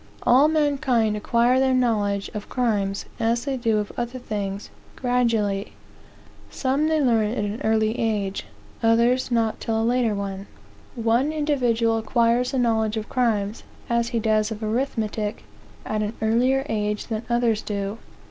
All mankind acquire their knowledge of crimes, as they do of other things, gradually. Some they learn at an early age; others not till a later one. One individual acquires a knowledge of crimes, as he does of arithmetic, at an earlier age than others do.